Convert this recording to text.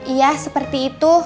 iya seperti itu